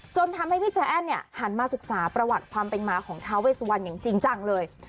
จนทำให้พี่ใจแอ้นเนี่ยหันมาศึกษาประวัติความเป็นมาของท้าเวสวันอย่างจริงจังเลย